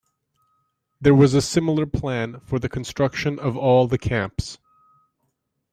There was a similar plan for the construction of all the camps.